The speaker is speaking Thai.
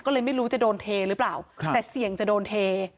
ก็เลยไม่รู้จะโดนเทหรือเปล่าแต่เสี่ยงจะโดนเท